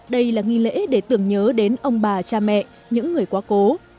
đây là nghi lễ để tưởng nhớ đến ông bà cha mẹ những người quá cố